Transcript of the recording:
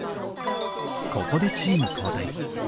ここでチーム交代。